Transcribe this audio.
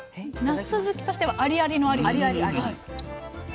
なす好きとしてはありありのありです。